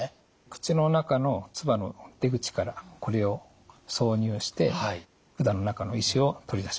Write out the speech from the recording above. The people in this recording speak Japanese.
口の中の唾の出口からこれを挿入して管の中の石を取り出します。